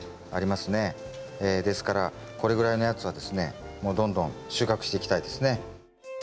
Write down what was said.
ですからこれぐらいのやつはですねもうどんどん収穫していきたいですね。